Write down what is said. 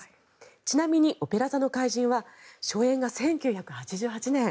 ちなみに「オペラ座の怪人」は初演が１９８８年。